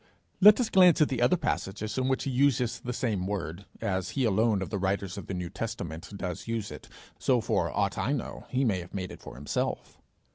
Let us glance at the other passages in which he uses the same word: as he alone of the writers of the New Testament does use it, so, for aught I know, he may have made it for himsef.